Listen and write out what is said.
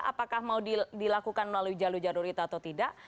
apakah mau dilakukan melalui jalur jalur itu atau tidak